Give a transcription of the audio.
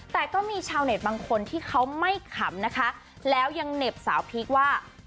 แต่ก็มีชาวเน็ตบางคนที่เขาไม่ขำนะคะแล้วยังเหน็บสาวพีคว่า